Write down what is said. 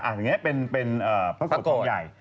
อันนี้เป็นประกดทองใหญ่